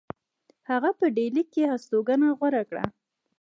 هغه په ډهلی کې هستوګنه غوره کړه.